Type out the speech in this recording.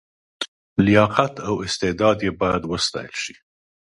لیاقت او استعداد یې باید وستایل شي.